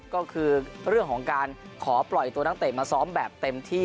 ก็คือเรื่องของการขอปล่อยตัวนักเตะมาซ้อมแบบเต็มที่